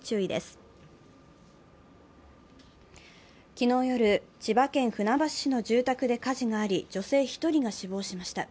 昨日夜、千葉県船橋市の住宅で火事があり、女性１人が死亡しました。